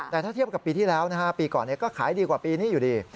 แต่ถ้าเทียบกับปีที่แล้วนะฮะปีก่อนก็ขายดีกว่าปีนี้อยู่ดี